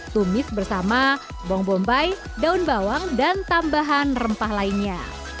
tumis bersama bawang bombay daun bawang dan tambahan rempah lainnya